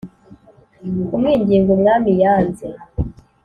Kumwinginga umwami yanze